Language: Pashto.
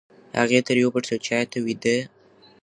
هغه ترې وپوښتل چې ایا ته ویده یې؟